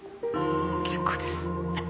結構です。